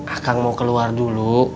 akang mau keluar dulu